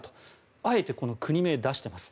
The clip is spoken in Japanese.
あえて国名を出しています。